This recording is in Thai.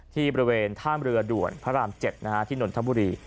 ที่บริเวณท่ามเรือด่วนพระราม๗ที่นนทบุรี